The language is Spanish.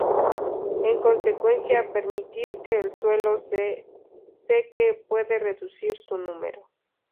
En consecuencia, permitir que el suelo se seque puede reducir su número.